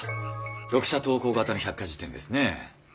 読者投稿型の百科事典ですね。